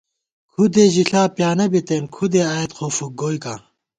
کھُدے ژِݪا پیانہ بِتېن ، کھُدے آئیت خو فُک گوئیکاں